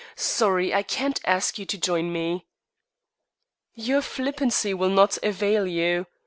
Sorry I can't ask you to join me." "Your flippancy will not avail you.